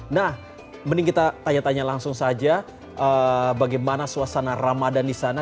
nah mending kita tanya tanya langsung saja bagaimana suasana ramadan di sana